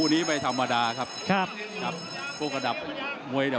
ที่สำคัญเลย